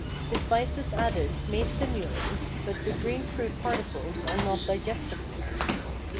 The spices added may stimulate, but the green fruit particles are not digestible.